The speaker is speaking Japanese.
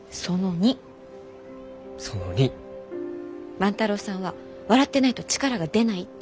万太郎さんは笑ってないと力が出ないって。